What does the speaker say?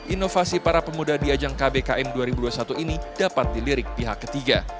inovasi para pemuda di ajang kbkm dua ribu dua puluh satu ini dapat dilirik pihak ketiga